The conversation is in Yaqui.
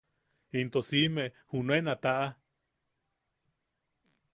Into si’ime junen a ta’a.